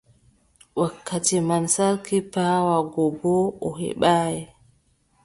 Wakkati man, sarki paawa go boo o heɓaay.